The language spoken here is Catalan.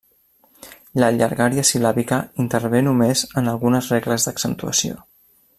La llargària sil·làbica intervé només en algunes regles d'accentuació.